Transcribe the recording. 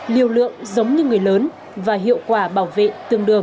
liều lượng giống như người lớn và hiệu quả bảo vệ tương đương